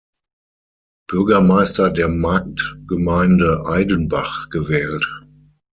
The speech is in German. Bürgermeister der Marktgemeinde Aidenbach gewählt.